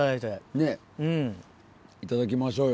ねぇいただきましょうよ。